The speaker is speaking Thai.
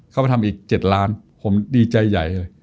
เข้ามาทำอีก๗ล้านผมดีใจใหญ่เลย